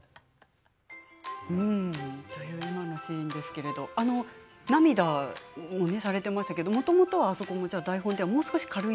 うんという今のシーンですけれどあの涙をねされてましたけどもともとはあそこもじゃあ台本ではもう少し軽い？